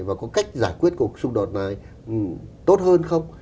và có cách giải quyết cuộc xung đột này tốt hơn không